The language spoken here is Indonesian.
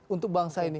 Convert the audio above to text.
untuk bangsa ini